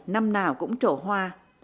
năm nào cũng trổ hoa